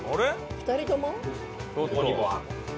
２人とも？